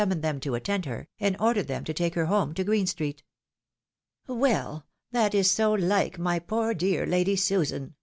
345 moned them to attend her, and then ordered them to take her home to Green street. " Well ! that is so like my poor dear Lady Susan